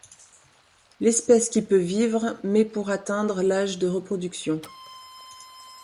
L'espèce qui peut vivre met pour atteindre l'âge de reproduction.